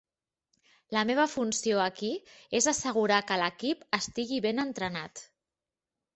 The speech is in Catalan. La meva funció aquí és assegurar que l'equip estigui ben entrenat.